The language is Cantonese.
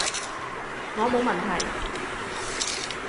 我冇問題